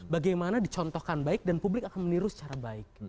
bagaimana dicontohkan baik dan publik akan meniru secara baik